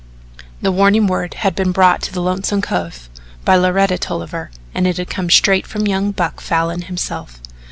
The warning word had been brought to Lonesome Cove by Loretta Tolliver, and it had come straight from young Buck Falin himself.